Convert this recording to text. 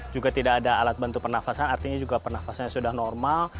juga tidak ada alat bantu pernafasan artinya juga pernafasannya sudah normal